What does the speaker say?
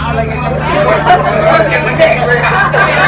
ขอบคุณค่ะ